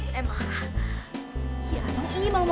sampai jumpa di video selanjutnya